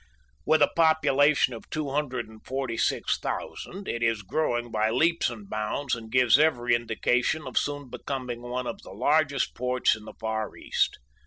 With a population of 246,000, it is growing by leaps and bounds and gives every indication of soon becoming one of the largest ports in the Far East.